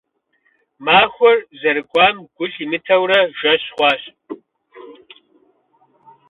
Махуэр зэрыкӀуам гу лъимытэурэ, жэщ хъуащ.